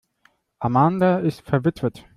Amanda ist verwitwet.